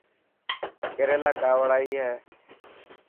ڪيريلا ڪاوڙائي هي.